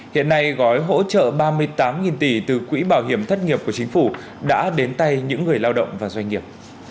hiện nay gói hỗ trợ ba mươi tám tỷ từ quỹ bảo hiểm thất nghiệp của chính phủ đã đến tay những người lao động và doanh nghiệp